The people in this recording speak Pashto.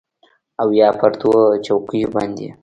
او یا پر دوو چوکیو باندې